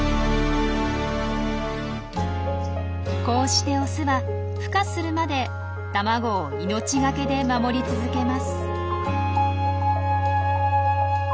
こうしてオスはふ化するまで卵を命懸けで守り続けます。